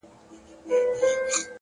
وخت د ارمانونو د ازموینې ډګر دی!